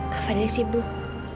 kak fadil sibuk